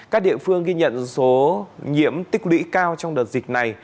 các địa phương ghi nhận số nhiễm tích lũy cao trong đợt dịch này